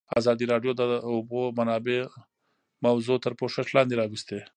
ازادي راډیو د د اوبو منابع موضوع تر پوښښ لاندې راوستې.